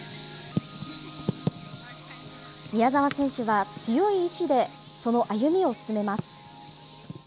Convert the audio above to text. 宮澤選手は強い意思でその歩みを進めます。